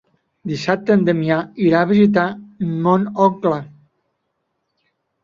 Dissabte en Damià irà a visitar mon oncle.